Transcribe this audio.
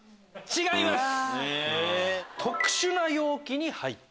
違います